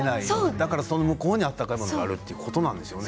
だからその向こうに温かいものがあるということですね。